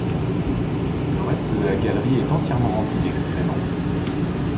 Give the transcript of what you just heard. Le reste de la galerie est entièrement rempli d'excréments.